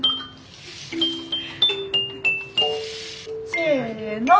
せの！